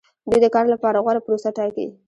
دوی د کار لپاره غوره پروسه ټاکي.